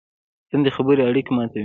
توندې خبرې اړیکې ماتوي.